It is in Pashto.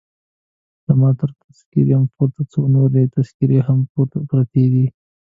زما تر تذکیرې پورته څو نورې تذکیرې هم پرتې وې.